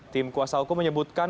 tim kuasa hukum menyebutkan